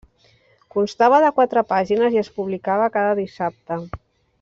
Constava de quatre pàgines i es publicava cada dissabte.